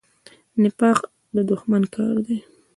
نفاق د دښمن کار دی